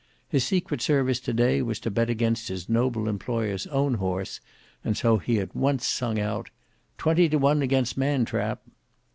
His secret service to day was to bet against his noble employer's own horse, and so he at once sung out, "Twenty to one against Man trap."